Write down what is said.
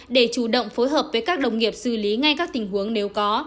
để chủ động phối hợp với các đồng nghiệp xử lý ngay các tình huống nếu có